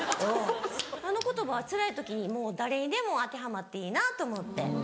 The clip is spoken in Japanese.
あの言葉はつらい時に誰にでも当てはまっていいなと思って。